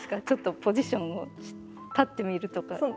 ちょっとポジションを立ってみるとか。